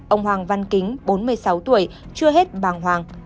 ông hoàng văn kính bốn mươi sáu tuổi chưa hết bàng hoàng